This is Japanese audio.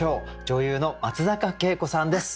女優の松坂慶子さんです。